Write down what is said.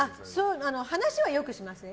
話はよくしますね。